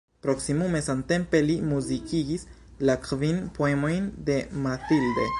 Proksimume samtempe li muzikigis la kvin poemojn de Mathilde.